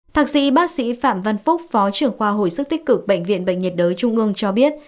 thạc sĩ bác sĩ phạm văn phúc phó trưởng khoa hồi sức tích cực bệnh viện bệnh nhiệt đới trung ương cho biết